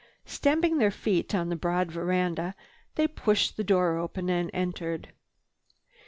Stamping their feet on the broad veranda, they pushed the door open and entered.